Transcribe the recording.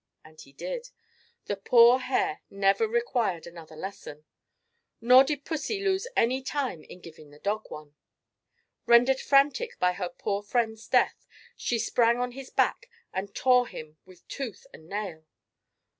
And he did. The poor hare never required another lesson. Nor did pussy lose any time in giving the dog one. Rendered frantic by her poor friend's death, she sprang on his back and tore him with tooth and nail.